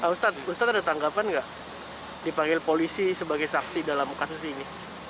ustadz ustadz ada tanggapan nggak dipanggil polisi sebagai saksi dalam kasus ini